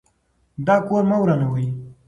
دا کور مه ورانوئ.